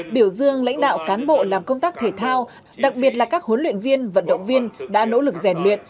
biểu dương lãnh đạo cán bộ làm công tác thể thao đặc biệt là các huấn luyện viên vận động viên đã nỗ lực rèn luyện